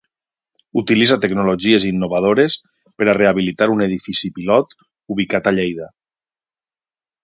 Utilitza tecnologies innovadores per a rehabilitar un edifici pilot ubicat a Lleida.